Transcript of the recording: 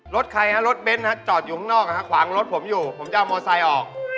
รถใครฮะรถเบ้นจอดอยู่ข้างนอกขวางรถผมอยู่ผมจะเอามอไซค์ออก